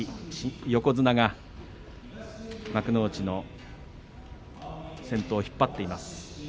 横綱が幕内の先頭を引っ張っています。